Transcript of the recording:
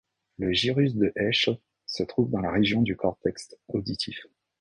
Le gyrus de Heschl se trouve dans la région du cortex auditif.